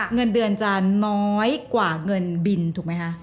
เงินเดือนจะน้อยกว่าเงินบินถูกไหมคะ